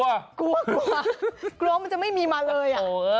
กลัวกลัวมันจะไม่มีมาเลย